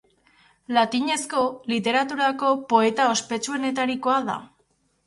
Latinezko literaturako poeta ospetsuenetarikoa da.